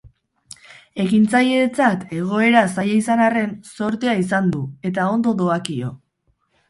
Ekintzaileentzat egoera zaila izan arren, zortea izan du eta ondo doakio.